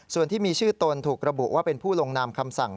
ส่วนที่มีชื่อตนถูกระบุว่าเป็นผู้ลงนามคำสั่ง